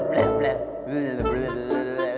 แบบแบบแบบแบบ